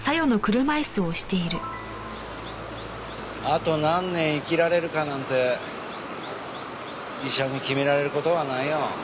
あと何年生きられるかなんて医者に決められる事はないよ。